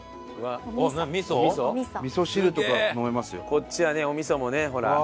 こっちはねお味噌もねほら。